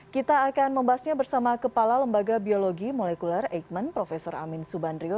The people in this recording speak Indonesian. kita akan membahasnya bersama kepala lembaga biologi molekuler eijkman prof amin subandrio